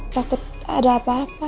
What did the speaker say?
takut ada apa apa